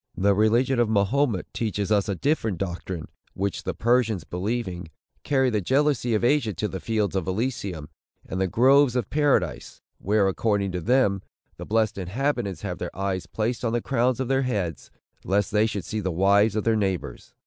The religion of Mahomet teaches us a different doctrine, which the Persians believing, carry the jealousy of Asia to the fields of Elysium, and the groves of Paradise; where, according to them, the blessed inhabitants have their eyes placed on the crown of their heads, lest they should see the wives of their neighbors.